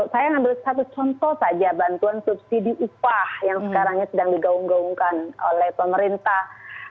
saya ambil satu contoh saja bantuan subsidi upah yang sekarang sedang digaung gaungkan oleh pemerintah